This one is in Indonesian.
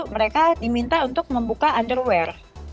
mereka diminta untuk membuka underware